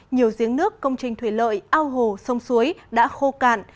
nhiều giếng nước công trình thủy lợi ao hồ sông suối đã khô cạn